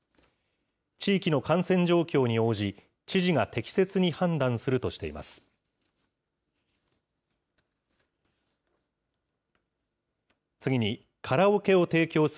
地域の感染状況に応じ、知事が適切に判断するとしています。